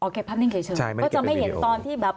อ๋อเก็บภาพนิ่งแค่เฉยครับก็จะไม่เห็นตอนที่แบบ